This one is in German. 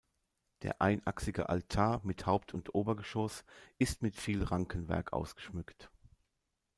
Der einachsige Altar mit Haupt- und Obergeschoss ist mit viel Rankenwerk ausgeschmückt.